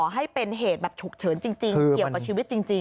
ให้เป็นเหตุแบบฉุกเฉินจริงเกี่ยวกับชีวิตจริง